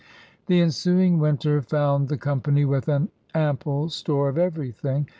The ensuing winter found the com pany with an ample store of everything.